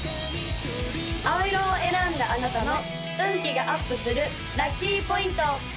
青色を選んだあなたの運気がアップするラッキーポイント！